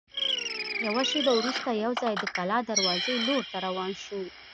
یوه شېبه وروسته یوځای د کلا د دروازې لور ته روان شوو.